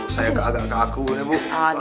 saya agak agak kaku bu